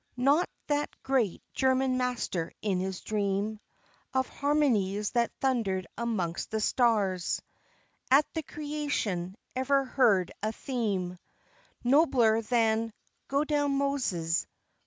Not that great German master in his dream Of harmonies that thundered amongst the stars At the creation, ever heard a theme Nobler than "Go down, Moses."